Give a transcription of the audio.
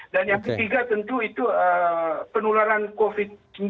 dan yang ketiga tentu itu penularan covid sembilan belas